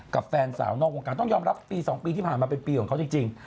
แฟนสาวนอกวงการต้องยอมรับปี๒ปีที่ผ่านมาเป็นปีของเขาจริง